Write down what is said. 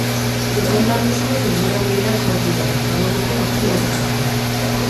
Tropel nagusia denbora berean sartu da, faborito guztiak barne.